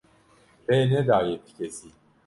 Rê nedaye ti kesî.